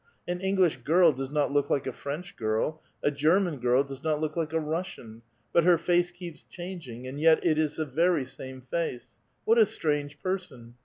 An English girl does not look like a French girl, a German girl does not look like a Russian ; but her face keeps changing, and yet it is the veiy same face. What a strange person